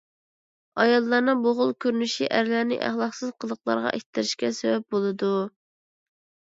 ئاياللارنىڭ بۇ خىل كۆرۈنۈشى ئەرلەرنى ئەخلاقسىز قىلىقلارغا ئىتتىرىشكە سەۋەب بولىدۇ.